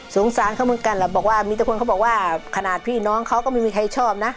สงสารเขาเหมือนกันแหละบอกว่ามีแต่คนเขาบอกว่าขนาดพี่น้องเขาก็ไม่มีใครชอบนะ